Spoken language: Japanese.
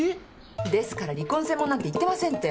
ですから離婚専門なんて言ってませんって。